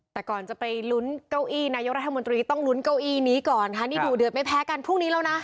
แต่ก่อนจะไปลุ้นเก้าอี้นายกรัฐมนตรีต้องลุ้นเก้าอี้นี้ก่อนค่ะนี่ดูเดือดไม่แพ้กันพรุ่งนี้แล้วนะ